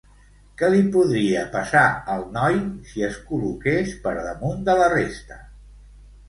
Què li podria passar al noi si es col·loqués per damunt de la resta?